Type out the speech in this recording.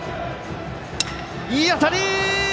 いい当たり！